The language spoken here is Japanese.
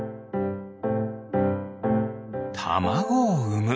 たまごをうむ。